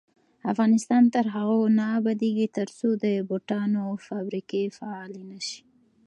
افغانستان تر هغو نه ابادیږي، ترڅو د بوټانو فابریکې فعالې نشي.